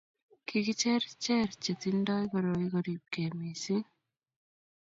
kikicher cher che tingdoi koroi koribgei mising